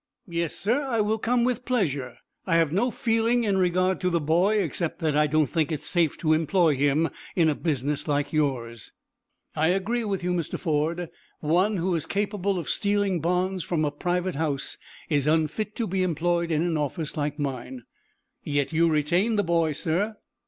"Yes, sir; I will come, with pleasure. I have no feeling in regard to the boy, except that I don't think it safe to employ him in a business like yours." "I agree with you, Mr. Ford. One who is capable of stealing bonds from a private house is unfit to be employed in an office like mine." "Yet you retain the boy, sir?"